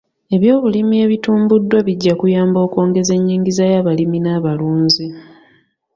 Ebyobulimi ebitumbuddwa bijja kuyamba okwongeza enyingiza y'abalimi n'abalunzi.